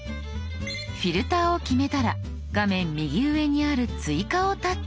フィルターを決めたら画面右上にある「追加」をタッチ。